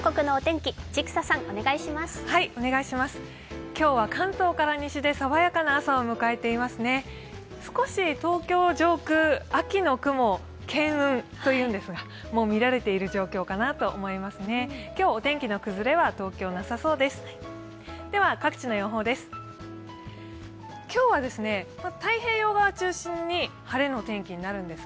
今日、お天気の崩れは東京、なさそうです。